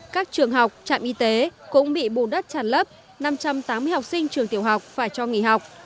các trường học trạm y tế cũng bị bùn đất tràn lấp năm trăm tám mươi học sinh trường tiểu học phải cho nghỉ học